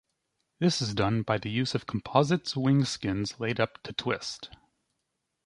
This is done by the use of composites wing skins laid-up to twist.